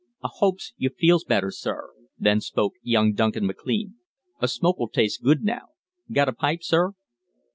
"I hopes you feels better, sir," then spoke young Duncan MacLean. "A smoke'll taste good now. Got a pipe, sir?"